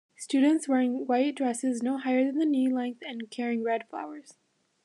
Students wear white dresses no higher than knee length and carry red flowers.